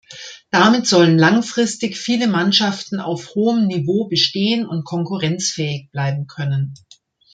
Damit sollen langfristig viele Mannschaften auf hohem Niveau bestehen und konkurrenzfähig bleiben können.